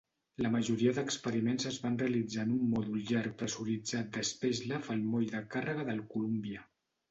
La majoria d'experiments es van realitzar en un mòdul llarg pressuritzat de Spacelab al moll de càrrega del "Columbia".